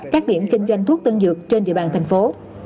các điểm kinh doanh thuốc tân dược trên địa bàn thành phố